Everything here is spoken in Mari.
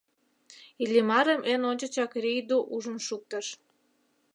Иллимарым эн ончычак Рийду ужын шуктыш.